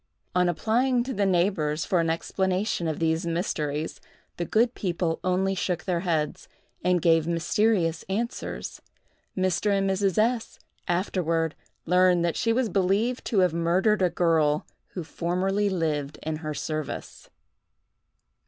On applying to the neighbors for an explanation of these mysteries, the good people only shook their heads, and gave mysterious answers. Mr. and Mrs. S—— afterward learned that she was believed to have murdered a girl who formerly lived in her service.